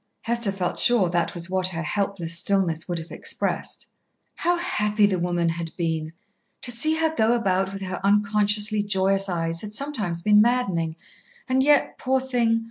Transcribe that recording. Hester felt sure that was what her helpless stillness would have expressed. How happy the woman had been! To see her go about with her unconsciously joyous eyes had sometimes been maddening. And yet, poor thing!